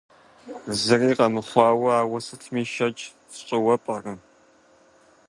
Зыри къэмыхъуауэ ауэ сытми шэч сщӏыуэ пӏэрэ?